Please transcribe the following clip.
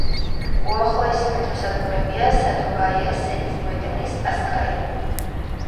უახლოესი მეტროსადგურებია „სადოვაია“, „სენის მოედანი“, „სპასკაია“.